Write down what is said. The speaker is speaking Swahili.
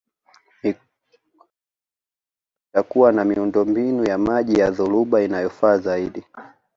Mikoa mingine itakuwa na miundombinu ya maji ya dhoruba inayofaa zaidi